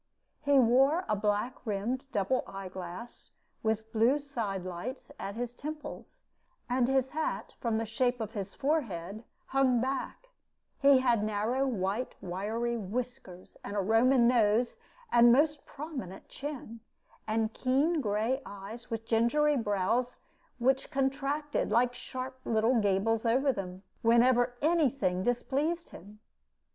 He wore a black rimmed double eyeglass with blue side lights at his temples, and his hat, from the shape of his forehead, hung back; he had narrow white wiry whiskers, and a Roman nose, and most prominent chin, and keen gray eyes with gingery brows, which contracted, like sharp little gables over them, whenever any thing displeased him.